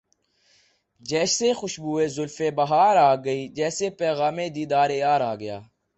جیسے خوشبوئے زلف بہار آ گئی جیسے پیغام دیدار یار آ گیا